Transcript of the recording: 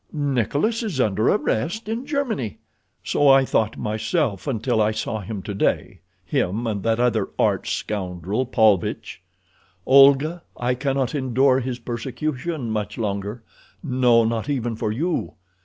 Nikolas is under arrest in Germany." "So I thought myself until I saw him today—him and that other arch scoundrel, Paulvitch. Olga, I cannot endure his persecution much longer. No, not even for you.